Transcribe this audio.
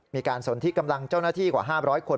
สนที่กำลังเจ้าหน้าที่กว่า๕๐๐คน